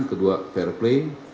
kedua fair play